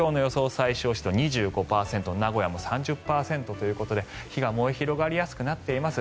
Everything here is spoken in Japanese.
最小湿度、２５％名古屋も３０％ということで火が燃え広がりやすくなっています。